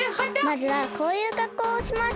まずはこういうかっこうをします。